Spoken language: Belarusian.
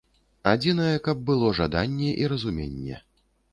Адзінае, каб было жаданне і разуменне.